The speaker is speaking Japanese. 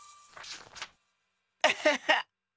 アハハッ！